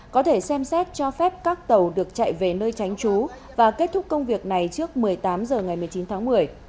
có thể xem xét cho phép các tàu được chạy về nơi tránh trú và kết thúc công việc này trước một mươi tám h ngày một mươi chín tháng một mươi